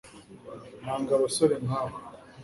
nanga abasore nkabo